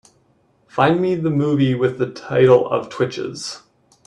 Find me the movie with the title of Twitches